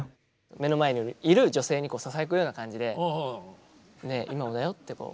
目の前にいる女性にささやくような感じで「ねえ、今もだよ」ってこう。